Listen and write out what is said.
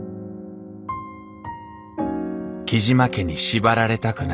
雉真家に縛られたくない。